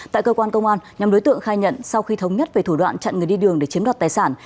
tại cơ quan công an nhóm đối tượng khai nhận sau khi thống nhất về thủ đoạn chặn người đi đường để chiếm đoạt tài sản